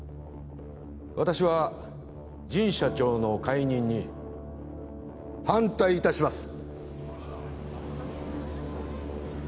私は神社長の解任に反対いたします